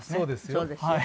そうですよ。